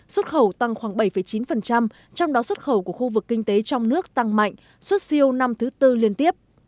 xuất khẩu tăng khoảng bảy chín trong đó xuất khẩu của khu vực kinh tế trong nước tăng mạnh xuất siêu năm thứ tư liên tiếp